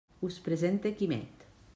Us presente Quimet.